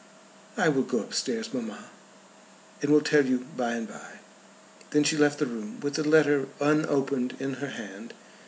"I will go up stairs, mamma, and will tell you by and by." Then she left the room with the letter unopened in her hand.